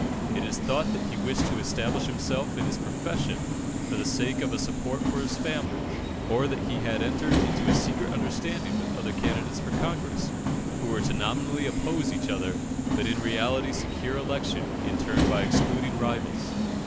It is thought that he wished to establish himself in his profession for the sake of a support for his family, or that he had entered into a secret understanding with other candidates for Congress, who were to nominally oppose each other, but in reality secure election in turn by excluding rivals.